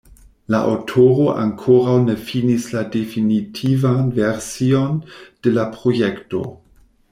La aŭtoro ankoraŭ ne finis la definitivan version de la projekto.